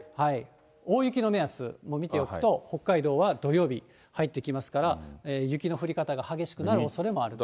大雪の目安も見ておくと、北海道は土曜日、入ってきますから、雪の降り方が激しくなるおそれもあります。